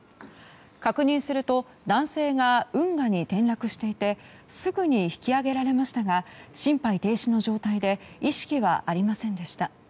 確認すると、男性が運河に転落していてすぐに引き揚げられましたが心肺停止の状態で意識はありませんでした。